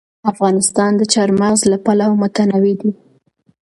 افغانستان د چار مغز له پلوه متنوع دی.